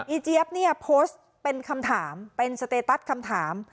เจี๊ยบเนี่ยโพสต์เป็นคำถามเป็นสเตตัสคำถาม